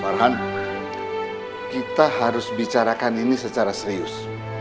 arhan kita harus bicarakan ini secara serius